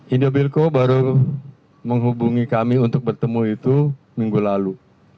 indobilco baru menghubungi kami untuk bertemu itu minggu lalu